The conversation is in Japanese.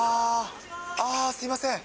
あー、すみません。